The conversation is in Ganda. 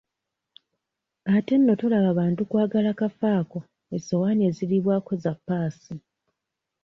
Ate nno tolaba bantu kwagala kafo ako essowaani eziriirwako za ppaasi.